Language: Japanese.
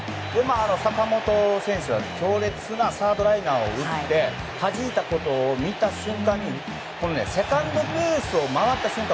坂本選手が強烈なサードライナーを打ってはじいたところを見た瞬間にセカンドベースを回った瞬間